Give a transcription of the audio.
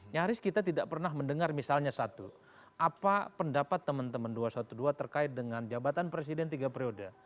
nyaris kita tidak pernah mendengar misalnya satu apa pendapat teman teman dua ratus dua belas terkait dengan jabatan presiden tiga periode